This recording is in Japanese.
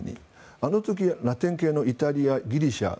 あの時、ラテン系のイタリア、ギリシャ。